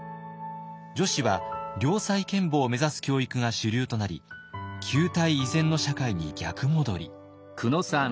女子は良妻賢母を目指す教育が主流となり旧態依然の社会に逆戻り。